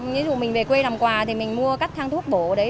ví dụ mình về quê làm quà thì mình mua các thang thuốc bổ đấy